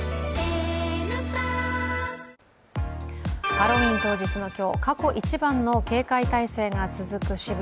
ハロウィーン当日の今日、過去一番の警戒態勢が続く渋谷。